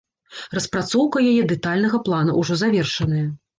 Распрацоўка яе дэтальнага плана ўжо завершаная.